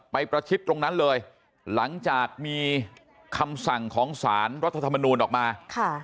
ประชิดตรงนั้นเลยหลังจากมีคำสั่งของสารรัฐธรรมนูลออกมาค่ะ